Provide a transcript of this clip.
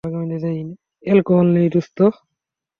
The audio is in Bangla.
অ্যালকোহল নেই, দোস্ত।